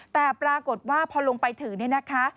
แต่ปรากฏว่าพอลงไปถึง